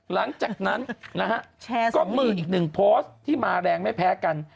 หลังจากนั้นนะฮะก็มีอีกหนึ่งโพสต์ที่มาแรงไม่แพ้กัน